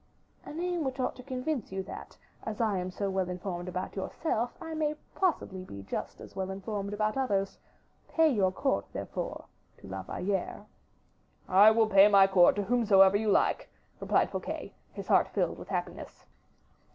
"A name which ought to convince you that, as I am so well informed about yourself, I may possibly be just as well informed about others. Pay your court, therefore, to La Valliere." "I will pay my court to whomsoever you like," replied Fouquet, his heart filled with happiness.